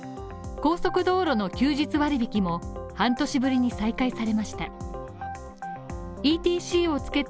高速道路の休日割引も半年ぶりに再開されました。